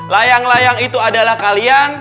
layang layang itu adalah kalian